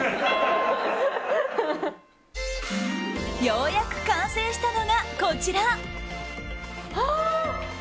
ようやく完成したのがこちら。